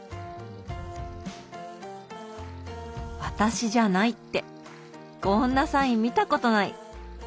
「私じゃない」ってこんなサイン見たことない。